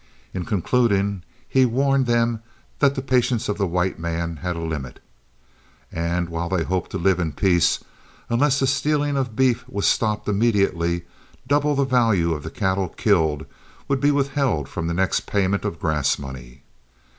In concluding, he warned them that the patience of the white man had a limit, and, while they hoped to live in peace, unless the stealing of beef was stopped immediately, double the value of the cattle killed would be withheld from the next payment of grass money.